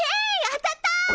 当たった！